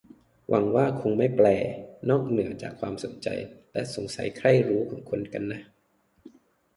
หวังว่าคงไม่แปล นอกเหนือจากความสนใจและสงสัยใคร่รู้ของคนกันนะ